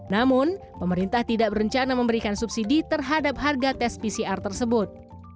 namun pemerintah tidak berencana memberikan subsidi terhadap harga tes pcr tersebut